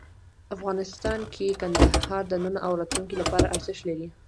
افغانستان کې کندهار د نن او راتلونکي لپاره ارزښت لري.